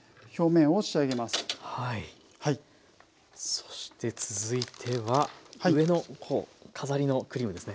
そして続いては上のほう飾りのクリームですね。